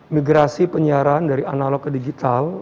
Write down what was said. migrasi penyiaran dari analog ke digital